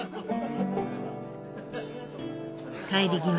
帰り際